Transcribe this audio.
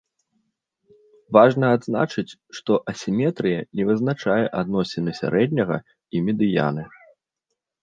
Важна адзначыць, што асіметрыя не вызначае адносіны сярэдняга і медыяны.